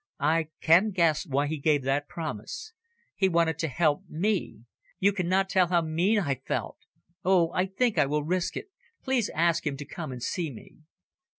"I can guess why he gave that promise. He wanted to help me. You cannot tell how mean I felt. Oh, I think I will risk it. Please ask him to come and see me."